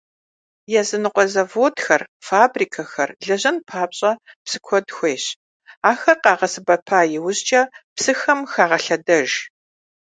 Языныкъуэ заводхэр, фабрикэхэр лэжьэн папщӀэ, псы куэд хуейщ, ар къагъэсэбэпа иужькӀэ псыхэм хагъэлъэдэж.